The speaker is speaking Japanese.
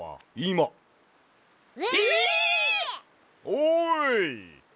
おい！